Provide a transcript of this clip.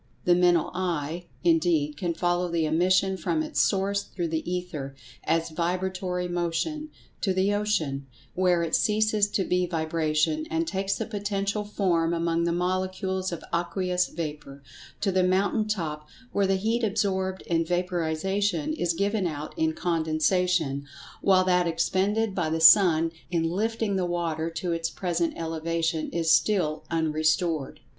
The mental eye, indeed, can follow the emission from its source through the ether, as vibratory motion, to the ocean, where it ceases to be vibration, and takes the potential form among the molecules of aqueous vapor; to the mountain top, where the heat absorbed in vaporization is given out in condensation, while that expended by the sun in lifting the water to its present elevation is still unrestored.